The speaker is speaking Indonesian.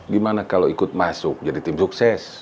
gimana kalau ikut masuk jadi tim sukses